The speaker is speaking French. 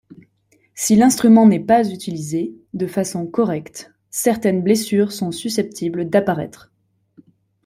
Si l’instrument n’est pas utilisé de façon correcte, certaines blessures sont susceptibles d’apparaître.